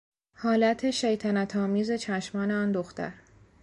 حالت شیطنت آمیز چشمان آن دختر